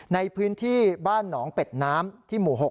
ในพื้นที่บ้านหนองเป็ดน้ำที่หมู่๖